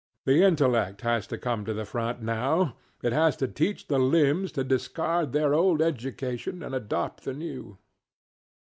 The intellect has to come to the front, now. It has to teach the limbs to discard their old education and adopt the new.